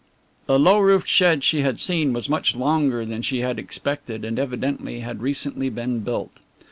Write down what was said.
The low roofed shed she had seen was much longer than she had expected and evidently had recently been built.